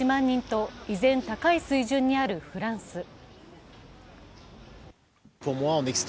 人と依然高い水準にあるフランス。